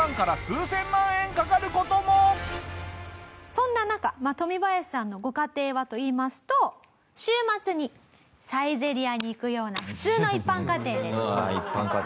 そんな中トミバヤシさんのご家庭はといいますと週末にサイゼリヤに行くような普通の一般家庭です。